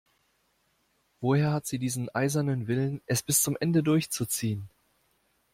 Woher hat sie diesen eisernen Willen, es bis zum Ende durchzuziehen?